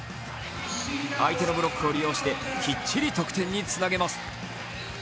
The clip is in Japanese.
相手のブロックを利用してきっちり得点につなげます。